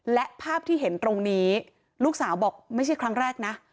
และภาพที่เห็นตรงนี้ลูกสาวบอกไม่ใช่ครั้งแรกนะ